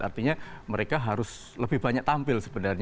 artinya mereka harus lebih banyak tampil sebenarnya